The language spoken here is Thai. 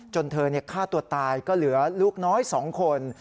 เธอฆ่าตัวตายก็เหลือลูกน้อย๒คน